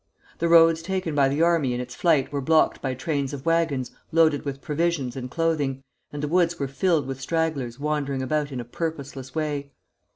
The roads taken by the army in its flight were blocked by trains of wagons loaded with provisions and clothing, and the woods were filled with stragglers wandering about in a purposeless way.